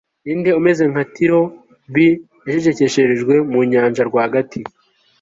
Ni nde umeze nka Tiro b yacecekesherejwe mu nyanja rwagati